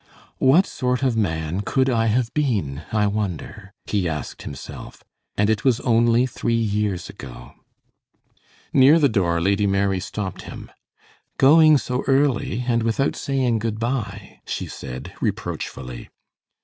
"What sort of man could I have been, I wonder?" he asked himself; "and it was only three years ago." Near the door Lady Mary stopped him. "Going so early, and without saying good by?" she said, reproachfully.